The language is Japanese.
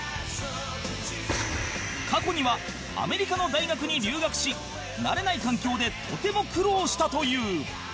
過去にはアメリカの大学に留学し慣れない環境でとても苦労したという